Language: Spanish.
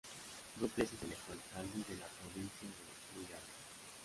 Dos veces electo Alcalde de la Provincia de Sullana.